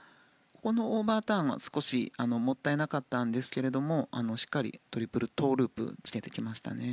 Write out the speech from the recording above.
個々のオーバーターンは少しもったいなかったんですがしっかりトリプルトウループをつけてきましたね。